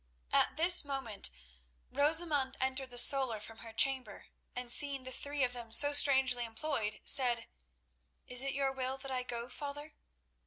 At this moment Rosamund entered the solar from her chamber, and seeing the three of them so strangely employed, said: "Is it your will that I go, father?"